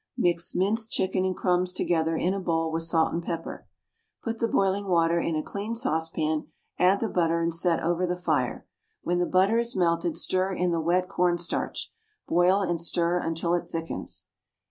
Mix minced chicken and crumbs together in a bowl with salt and pepper. Put the boiling water in a clean saucepan, add the butter and set over the fire. When the butter is melted stir in the wet corn starch. Boil and stir until it thickens.